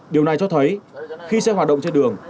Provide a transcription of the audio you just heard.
điều này cho thấy khi xe hoạt động trên đường